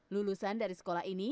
lulusan dari sekolah ini